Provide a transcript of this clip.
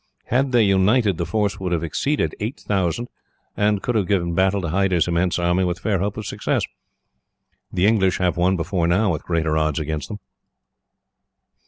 Had they united, the force would have exceeded eight thousand, and could have given battle to Hyder's immense army with fair hope of success. The English have won, before now, with greater odds against them.